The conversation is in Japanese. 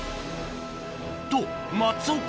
と松岡